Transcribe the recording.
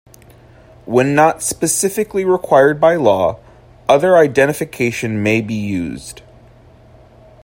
When not specifically required by law, other identification may be used.